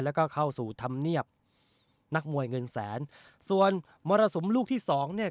แล้วก็เข้าสู่ธรรมเนียบนักมวยเงินแสนส่วนมรสุมลูกที่สองเนี่ย